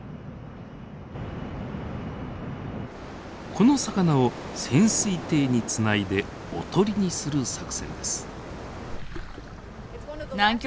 この魚を潜水艇につないでおとりにする作戦です。